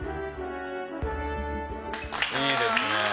いいですね。